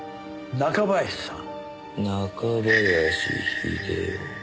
「中林秀雄」。